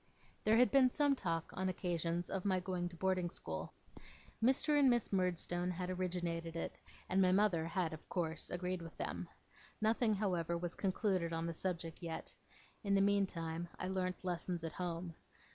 There had been some talk on occasions of my going to boarding school. Mr. and Miss Murdstone had originated it, and my mother had of course agreed with them. Nothing, however, was concluded on the subject yet. In the meantime, I learnt lessons at home.